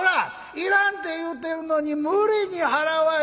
いらんて言うてるのに無理に払わいでもええやろ！」。